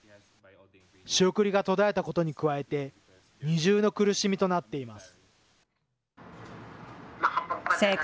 仕送りが途絶えたことに加えて、二重の苦しみとなっています。